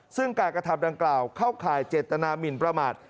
ซึ่งการกระทำดังกล่าวเข้าข่ายเจตนามินประมาท